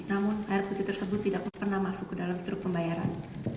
namun air putih tersebut tidak pernah masuk ke dalam struk pembayaran